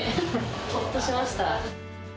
ほっとしました。